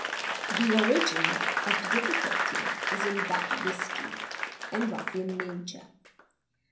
] The origin of the difficulty was in bad whisky and ruffian nature.